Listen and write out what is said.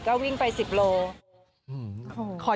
ก็วิ่งไปสิบโลกรัม